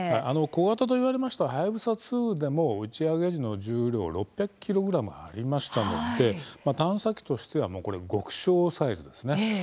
小型といわれました「はやぶさ２」でも打ち上げ時の重量６００ｋｇありましたので探査機としては極小サイズですね。